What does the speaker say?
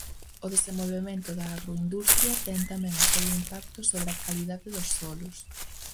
O desenvolvemento da agroindustria ten tamén o seu impacto sobre a calidade dos solos.